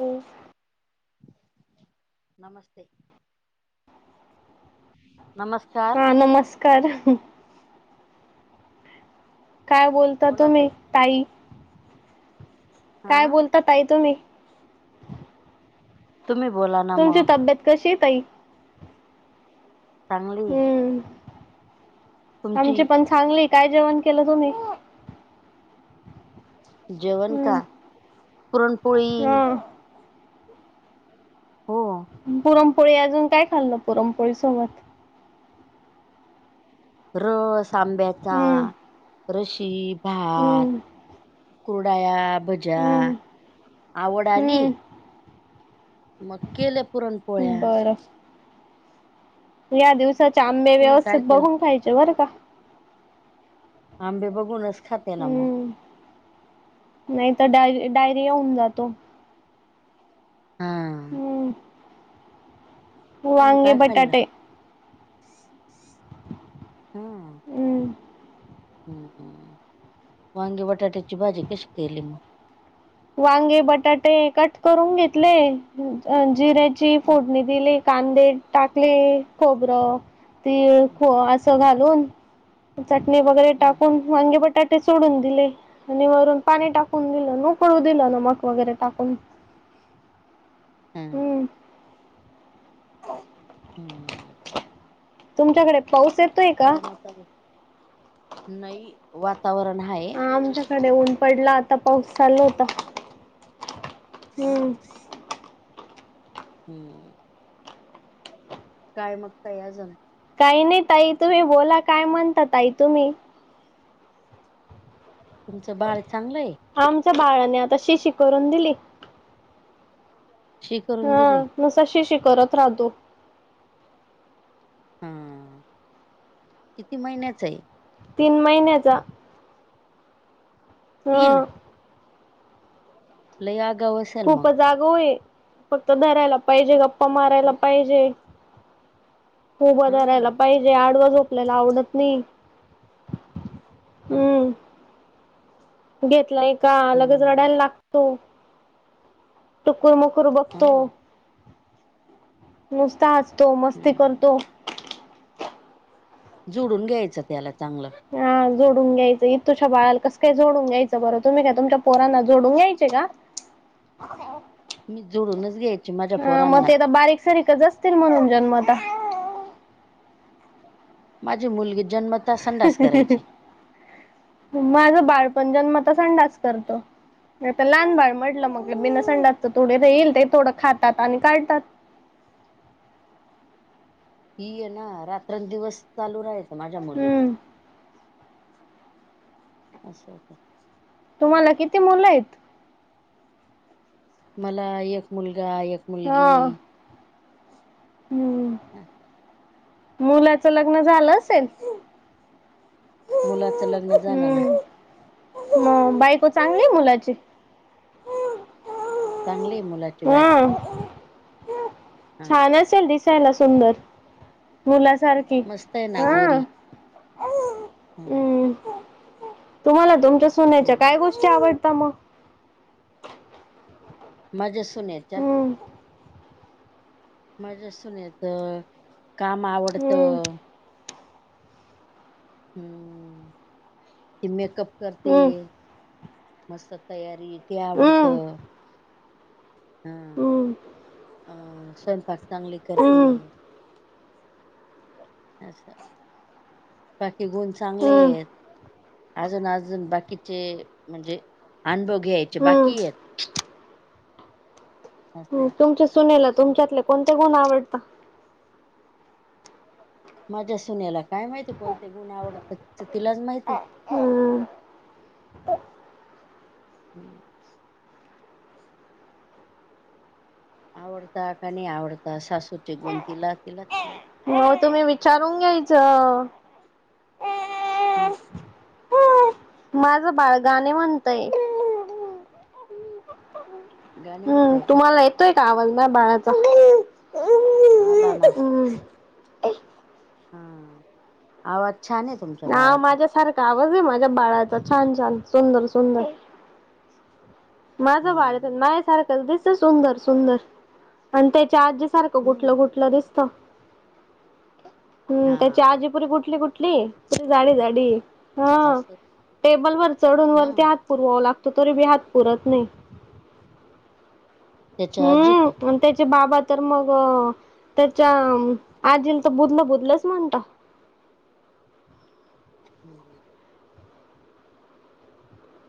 हो [inaudible] [inaudible] नमस्ते नमस्कार हा नमस्कार [inaudible] काय बोलता तुम्ही ताई? काय हा बोलता ताई तुम्ही? तुम्ही बोला ना तुमची मग तब्येत कशीये ताई? चांगलीये हम्म आमची पण चांगली, काय जेवण केलं तुम्ही? [inaudible] जेवण का, हम्म पुरणपोळी हा हो पुरमपोळी, अजून काय खाल्लं पुरमपोळी सोबत? रस आंब्याचा, हम्म रशी, भात हम्म कुरडाया, भज्या हम्म आवड आली मग केल हम्म पुरणपोळ्या बरं या दिवसाचे आंबे तुम्ही काय व्यवस्थित केलं बघून खायचे बरं का आंबे बघूनच खाते ना मग हम्म नाही तर डाय- डायरिया होऊन जातो. हा हम्म तुम्ही वांगी, काय खाल्लं बटाटे हम्म हम्म -हम्म वांगी -बटाट्याची भाजी कशी केली मग? वांगे, बटाटे कट करून घेतले, जिऱ्याची हम्म फोडणी दिली. कांदे टाकले, खोबरं, तीळ ख- असं घालून चटणी वगैरे हम्म टाकून वांगी- बटाटे सोडून दिले आणि वरून पाणी टाकून दिलं न पळू दिलेल मक मग वगैरे टाकून हम्म हम्म तुमच्याकडे पाऊसये? काय मत आहे [unintelligible] नाही वातावरण आहे कडे ऊन पडला आता पाऊस चालू होता हा हम्म [inaudible] हम्म काय मग ताई अजून? काही नाही ताई, तुम्ही बोला काय म्हणता ताई तुम्ही? तुमचं बाळ चांगलंय? आमच्या बाळाने आता शिशी करून दिली. शी करून हा दिली नुसता शिशी करत राहतो. हं. किती महिन्याच हाय? तीन महिन्याच. तीन हं. लई अगावु अस खूप जागावु हय. फक्त धरायला पाहिजे गप- - प्पा मारायला हा पाहिजे. हुभ धारायला पाहिजे. आडव झो- - पलेलं आवडत नाही. हा हम्म. घेतली का लगेच हम्म रडायला लागतो. टुकुर मुकूर हा बघतो. नुसता हसतो. मस्ती हम्म करतो. झुडून घ्यायचं त्याला चांगलं. हा. जोडून घ्यायचं. इतुशा बाळाला कस काय जोडून घ्यायचं बरं. तुम्ही काय तुमच्या पोरांना झोडून घ्यायचे का? [inaudible] मी जोडूनच घ्यायची माझ्या पोरांना. सरी क जस्तील म्हणून जन्मता. माझी मुलगी जन्म - - माझ बाळपण जन्मता संडास करत. आता लहान बाळ म्हटलं मग बीनासंडासच थोडी ना येईल ते थोडं खातात आणि काढतात. हीयेना रात्र अन दिवस चालू राहायचं माझ्या मुलीचा. हम्म असं होतं. तुम्हाला किती मुलं हाईत. मला एक मुलगा, एक मुलगी. हा हम्म. मुलाच लग्न झालं असेल? मुलाच लग्न झालं ना. म बायको चांगली हाय मुलाची? चांगली आहे मुला हम. हा छानच - - असेल दिसायला सुंदर मुलासारखी मस्त आहे हा. [inaudible] हम्. तुम्हाला तुमच्या सुनेच्या काय गोष्टी आवडता मग? माजा सुनेच्या का? हम्म माजा सूनेच काम हम्म आवडतं. हम्म. ती मेकअप करते. हम्म मस्त तयारी ते आवडत. हम्म हा. हम्म अ स्वयंपाक चांगली करते. हम्म. अस बाकी गुण चांगले हम्म येत. अजून अजून बाकीचे म्हणजे अनुभव घ्यायचे बाकीयेत. हम्म असं आहे. तुमच्या सुनेला तुमच्यातले कोणते गुण आवडत? माझ्या सुन्याला काय माहिती कोणते गुण आवडत. तिलाच माहिती. हम्म [inaudible] आवडता का नाही आवडता सासूचे गुणतीला तिलाच माहित. म तुम्ही विचारून घ्यायच. हं. माझं बाळगाणे म्हणतय. गाणे हम्म. म्हणताय का तुम्हाला येतोय का आवाज माय बाळाचा? आला ना हम्. हा आ. आवाज छान ये हा माझ्यासारखा आवाज हाय माझ्या बाळाचा. छान -छान सुंदर -सुंदर. माझं बाळ हायतर हम्म माझ्यासारखं दिसत सुंदर - सुंदर. पण त्याच्या आजि सारखं गुटल हम्म गुटलं दिसत, त्याची हा आजीपुरी गुटली गुट ली, जाडी जाडी हन, असं टेबल वर चढून वरती हा पुरवाव लागतो, तरी बी हात पुरत नाही. त्याच्या आजी का हम्म. त्याचे बाबा तर मग अ त्याच्या आजीला तर बुदलं बुदलंच म्हणता. [unintelligible]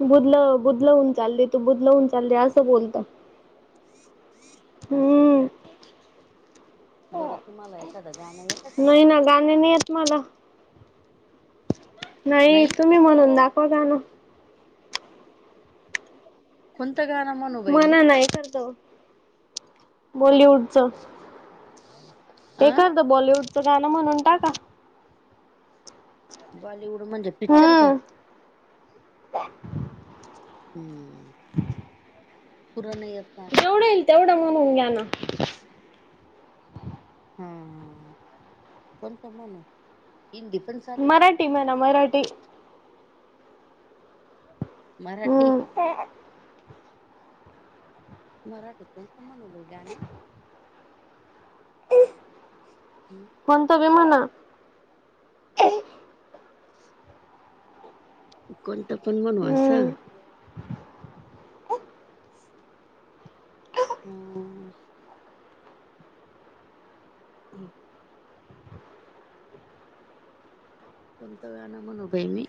बुदलं बुदलं होऊन चालली तू, बुदल होऊन चालली असं बोलता. आसय का? बरं तुम्हाला एखादं गाणं येतं का? गाणं नाइ येते मला. नही नाही तुम्ही म्हणून दाखवा गाणं. कोंनत गाणं म्हणु? म्हनाना एखादं. बॉलिवूड च, अं एखादं. बॉलिवूडचं गाणं म्हणून टाका. बॉलिवूड म्हणजे पिक्चर का? हम्म [unintelligible] हम्म. पुराण ये जेवढं येईल, तेवढं म्हणून घ्या ना. हम्म. कोणच म्हणु, हिंदीतून? मराठी म्हना मराठी. मराठी? [unintelligible] मराठीतून कोणतं म्हणु बाई गाणं? हम. कोणतं बी म्हणा. कोणत पण म्हणू हम्म. असं? ऊ. हो [unintelligible] कोणतं गाणं म्हणु बाई मी?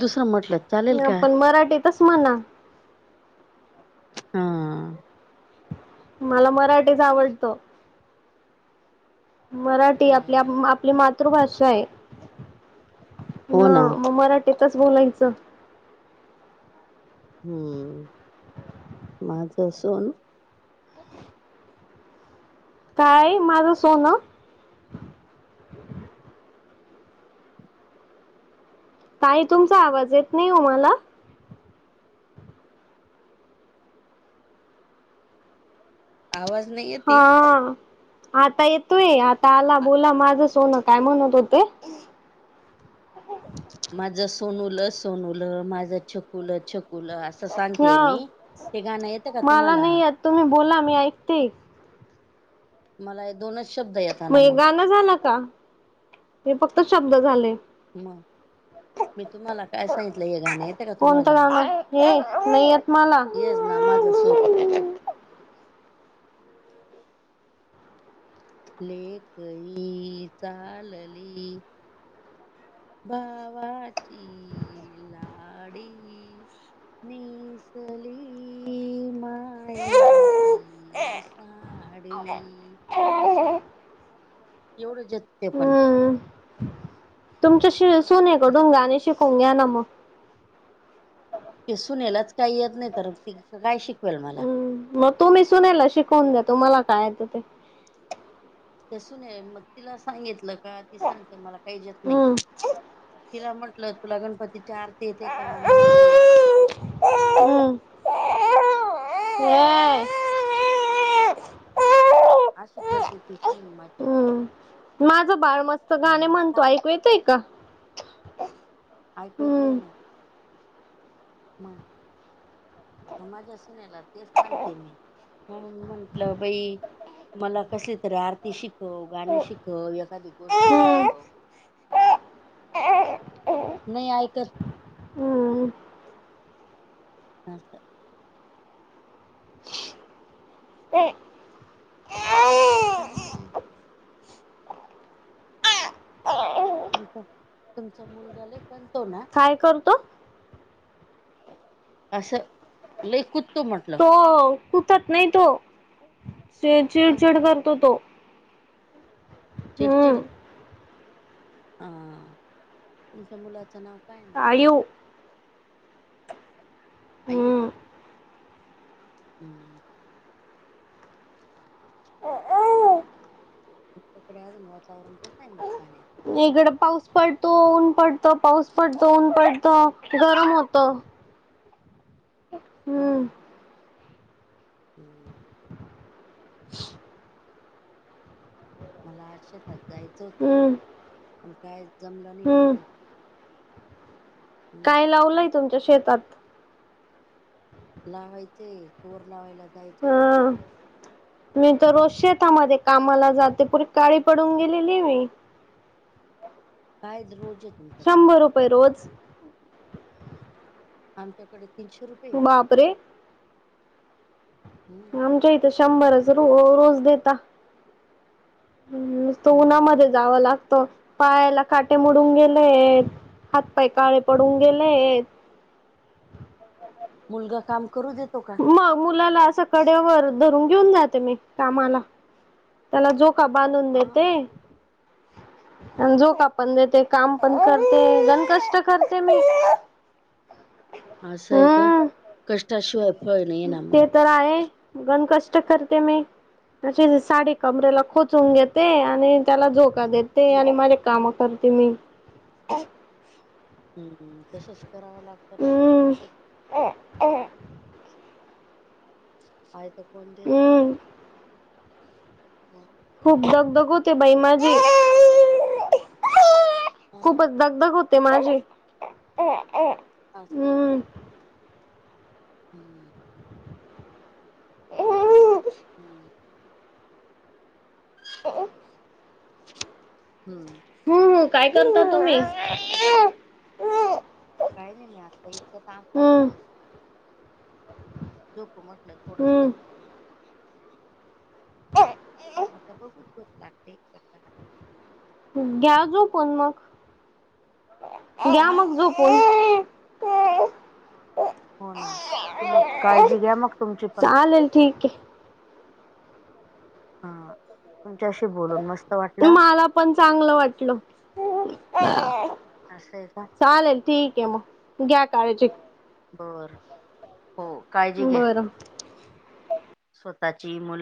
दुसरं म्हटलं चालेल आ का? पण मराठीतच म्हणा. हा. मला मराठीच आवडतं. मराठी आपली आपली मातृभाषा ये. हन हो ना. मग मराठीतच बोलायचं. हम्म माज सोनू काय, माझं सोनं? ताई तुमचा आवाज येत नाही ओ मला. आवाज नाही येत? हा आता येतोय, आता आला बोला माझ सोनं काय म्हणत होते? माझं सोनूल सोनूल, माझं छकुल छकुल अस. हन मला तुम्हाला? नाही येत, तुम्ही बोला मी ऐकते. ह [inaudible] मला हे दोनच शब्द येत मग ये गाणं झालं का? हे फक्त शब्द झाले. मग मी तुम्हाला काय सांगितलं, हे गाणं येतं का कोणतं तुम्हाला? गाणं हे नाही येत मला. येस. ना माझं सोणुलं छकूलं. लेक् ही चालली भावांची लांडी नेसली माहेरची री सांडी एवढं येते पणं तुमच्यांशी सुनेकडूंन गाणें शिकूंन घ्यां नं मंग त्यांसूने लाचं कांहीं येतं नाहीं तरं ती कायं शिकवेलं मलां मंग तुम्हीं सुनेला शिकवूंन द्या तुम्हांला कायं येतं ते तीसून आहे मंग तिलां सांगितलं कां ती सांगते मलां काहींचं येतं नाहीं हम्म. तिलां म्हंटलं तुलां गणपतीची आरती येते कां मलां नाहीं येतं हम्म. ये. आशी करतें ती सुंन माझी हम्म. माझं बाळं मस्तं गाणें मग म्हणतो काय ऐयकू येतंय कां अयंकु येतं आहे हम्म. नां म माझ्यां सुनेला तेचं सांगते मी हम्मं म्हंटलं बाई मलां कसली तरी आरती शिकवं गाणं शिकवं एखांदी गोष्ट शिकवं एक [unintelligible] नाहीं ऐकतं असं कायं नाहीं मं तुमचां तुमचां मुलंगा लंय करतों नां. कायं करतों. असं लंय कुतो म्हटलं. हो... कुंतंत नाहीं तो ह चिडंचिडं करतों तो. हम्म चिडंचिंडं. हा.. तुमच्यां मुलाचं नांव कायं? आयू.. आयू. हम्म हम्मं. तिकडे अजूंन वातांवरण कसं आहे मंग पाण्यांत. इकडं पाऊस पडतो. ऊंन पडतो. पाऊस पडतो. ऊंन पडतो. गरमं होतं. हम्म हम्मं हम्मं. मलां आजं शेतांत जायचं होतं हम्म पणं कायं जमलं नाहीं हम्म माझं मग कायं लावलंय तुमच्यां शेतांत लावांयचे चोर लावांयला जायचं होतं हा मी तरं रोज शेतांमध्ये कामांला जाते पुरी कांळी पडूनं गेलेली मी कायं रोजचं. शंभर रुपये रोजं. आमच्यांकडे तीनशे रुपये. ओ बापरे! हम्म आमच्यां इथे शंभरच रो रोजं देतां. तो उन्हांमंध्ये हम्म जावं लागतो. पायालां कांटे मोडूनं गेलेयं... हांत पांय कांळे पडूंन गेलेयतं. मुलंगां कामं करूं देतो कां? मंग मुलांलां असं कड्यांवर धरूंन घेऊंन जाते मी कामांला. त्यांला झोकां बांधून हा देते हा. आणि झोकां पणं देते. कामं पणं करते गणं कंष्ट करते मी. असं आहे कां हम्म कष्टांशिवायं फळं नायं नां मगं. तरं आहे गंन कंष्ट करतें मी. तशी सांडी कमरेलां खोचूंन घेते आणि त्यांला झोकां देते. ते आणि माझ्या काम करते मी. हम्म तसंच करावं लागतं ना बाई मग ते. अ. अ. आईचा फोन देत नाही. हम्म खूप दगधग होते बाई माझी खूपचं हा धगधग होते ते माझी असयं हम्म का? हम्म [unintelligible] हम्म [unintelligible] हम्म. हम्म काय करता तुम्ही? काही नाही मी आत्ता इतकं काम हम्म टाकल झोपू म्हटल्य हम्म थोडसं. [unintelligible] आता बघ झोप लागते कसा ना. घ्या झोपून मग घ्या हा मग झोपवून हम्म हम्म हो ना तुम्ही काळजी घ्या मग तुमची पण चालेल ठीक आहे. हा तुमच्याशी बोलून मस्त वाटलं. मला पण चांगलं वाटलं असं आहे का चालेल ठीक आहे मग घ्या काळजी बर हो काळजी घ्या. बरं स्वतःची मुलाची